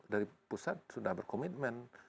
dari pusat sudah berkomitmen